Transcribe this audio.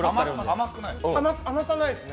甘くないです。